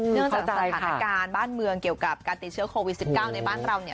จากสถานการณ์บ้านเมืองเกี่ยวกับการติดเชื้อโควิด๑๙ในบ้านเราเนี่ย